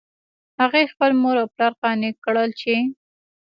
هغې خپل مور او پلار قانع کړل چې